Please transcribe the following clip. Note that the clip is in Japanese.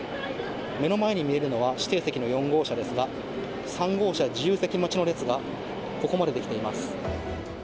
目の前に見えるのは指定席の４号車ですが３号車自由席待ちの列がここまでできています。